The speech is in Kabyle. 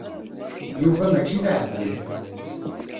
Yuba mačči d aɛeggun.